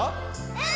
うん！